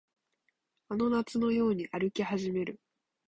あの夏のように歩き始める